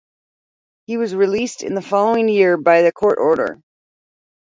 He was released in the following year by a court order.